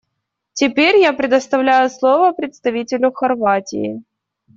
Теперь я предоставляю слово представителю Хорватии.